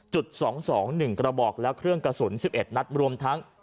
จุด๒๒๑กระบอกและเครื่องกระสุน๑๑นัดรวมทั้ง